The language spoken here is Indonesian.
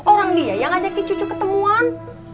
orang dia yang ngajakin cucu ketemuan